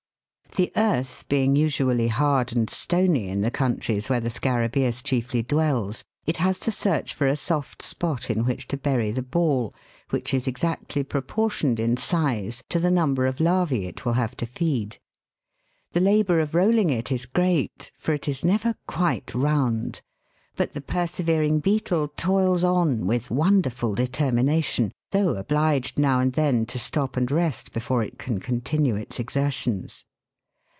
The earth being usually hard and stony in the countries where the Scarabaeus chiefly dwells, it has to search for a soft spot in which to bury the ball, which is exactly proportioned in size to the number of larvae it will have to feed. The labour of rolling it is great, for it is never quite round ; but the persever ing beetle toils on with won derful determination, though obliged now and then to stop and rest before it can continue its exertions.